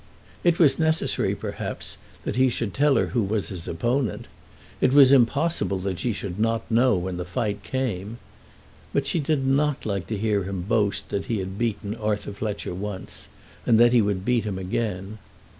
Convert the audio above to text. It was necessary, perhaps, that he should tell her who was his opponent. It was impossible that she should not know when the fight came. But she did not like to hear him boast that he had beaten Arthur Fletcher once, and that he would beat him again.